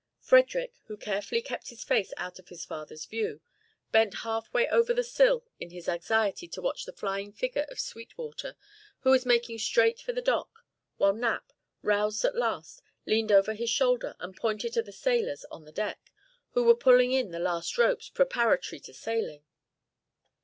Frederick, who carefully kept his face out of his father's view, bent half way over the sill in his anxiety to watch the flying figure of Sweetwater, who was making straight for the dock, while Knapp, roused at last, leaned over his shoulder and pointed to the sailors on the deck, who were pulling in the last ropes, preparatory to sailing.